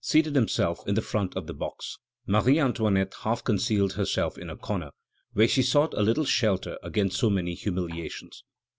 seated himself in the front of the box, Marie Antoinette half concealed herself in a corner, where she sought a little shelter against so many humiliations.